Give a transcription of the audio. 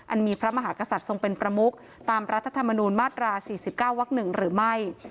มีพระมหากษัตริย์ทรงเป็นประมุกตามรัฐธรรมนูญมาตรา๔๙วัก๑หรือไม่